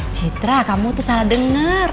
citra kamu tuh salah denger